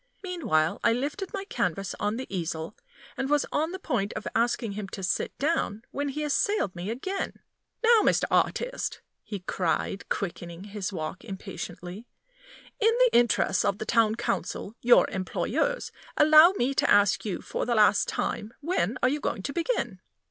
Meanwhile I lifted my canvas on the easel, and was on the point of asking him to sit down, when he assailed me again. "Now, Mr. Artist," he cried, quickening his walk impatiently, "in the interests of the Town Council, your employers, allow me to ask you for the last time when you are going to begin?"